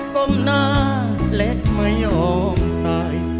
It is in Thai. กลมหน้าเล็กไม่ยอมซ่าย